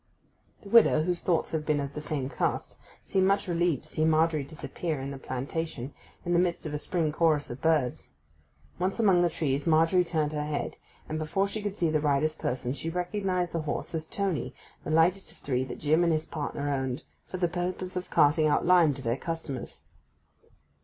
The widow, whose thoughts had been of the same cast, seemed much relieved to see Margery disappear in the plantation, in the midst of a spring chorus of birds. Once among the trees, Margery turned her head, and, before she could see the rider's person she recognized the horse as Tony, the lightest of three that Jim and his partner owned, for the purpose of carting out lime to their customers.